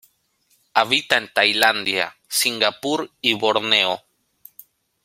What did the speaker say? Habita en Tailandia, Singapur y Borneo.